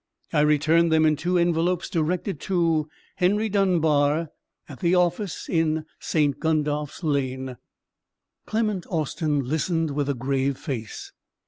I returned them in two envelopes directed to Henry Dunbar, at the office in St. Gundolph's Lane." Clement Austin listened with a grave face.